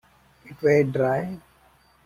It weighed dry.